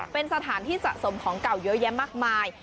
เป็นสถานที่สะสมของเก่าเยอะแยะมากมาย